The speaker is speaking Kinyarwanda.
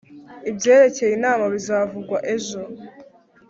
Ibyerekeye inama bizavugwa ejo.